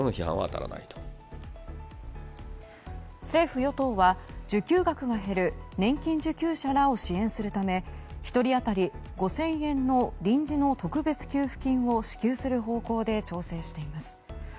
政府・与党は受給額が減る年金受給者らを支援するため１人当たり５０００円の臨時の特別給付金を支給する方向で調整しています。